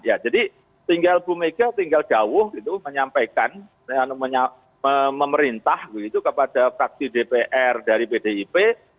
ya jadi tinggal bu mega tinggal jauh gitu menyampaikan memerintah begitu kepada fraksi dpr dari pdip